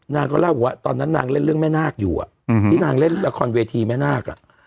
นางก็เล่าบอกว่าตอนนั้นนางเล่นเรื่องแม่นาคอยู่ที่นางเล่นละครเวทีแม่นาค